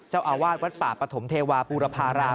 เจ้าอาวาสวัดป่าปฐมเทวาปูรภาราม